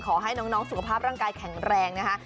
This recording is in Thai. ขอให้น้องสุขภาพร่างกายแข็งแรงนะคะ